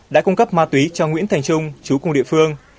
đã cung cấp ma túy cho nguyễn thành trung chú cùng địa phương